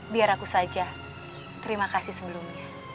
biar aku saja terima kasih sebelumnya